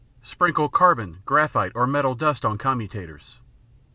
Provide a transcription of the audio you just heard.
Sprinkle carbon, graphite, or metal dust on commutators.